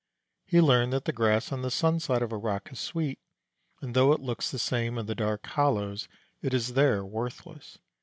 He learned that the grass on the sun side of a rock is sweet, and though it looks the same in the dark hollows, it is there worthless.